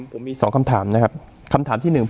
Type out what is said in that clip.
ผมมี๒คำถามนะครับคำถามที่๑